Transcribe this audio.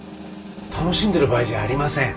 楽しんでる場合じゃありません。